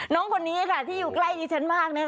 น้องคนนี้ที่อยู่ใกล้ดิฉันมาก